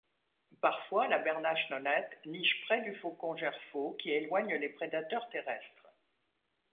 Parfois la bernache nonnette niche près du faucon gerfaut qui éloigne les prédateurs terrestres.